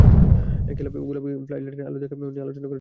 গোলাপি বলে ফ্লাডলাইটের আলোয় খেলা নিয়ে আলোচনা শুরু হয়েছে অনেক দিন ধরেই।